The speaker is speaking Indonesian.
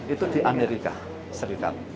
itu di amerika serikat